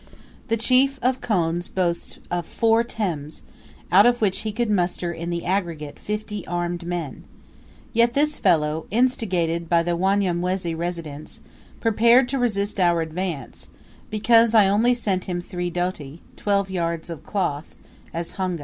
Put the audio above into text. The chief of Khonze boasts of four tembes, out of which he could muster in the aggregate fifty armed men; yet this fellow, instigated by the Wanyamwezi residents, prepared to resist our advance, because I only sent him three doti twelve yards of cloth as honga.